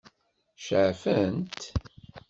Ceɛfent?